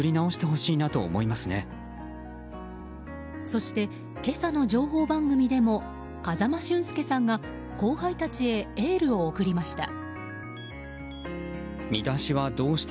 そして、今朝の情報番組でも風間俊介さんが後輩たちへエールを送りました。